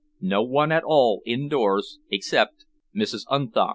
No one at all indoors, except Mrs. Unthank."